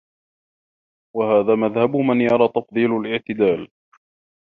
وَهَذَا مَذْهَبُ مَنْ يَرَى تَفْضِيلَ الِاعْتِدَالِ